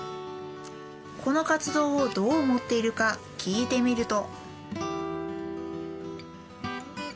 この活動をどう思っているか聞いてみると。